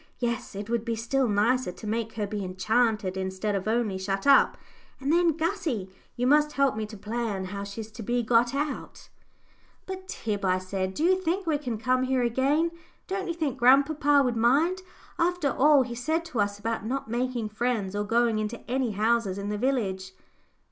Yes, it would be still nicer to make her be enchanted instead of only shut up, and then, Gussie, you must help me to plan how she's to be got out." "But, Tib," I said, "do you think we can come here again? Don't you think grandpapa would mind, after all he said to us about not making friends, or going into any houses in the village?"